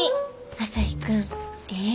朝陽君ええ